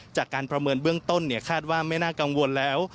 จากการประเมินเบื้องต้นคาดว่าไม่น่ากังวลแล้ว